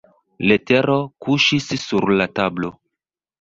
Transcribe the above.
Letero kuŝis sur la tablo.